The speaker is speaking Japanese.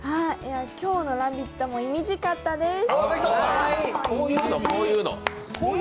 今日の「ラヴィット！」もいみじかったです！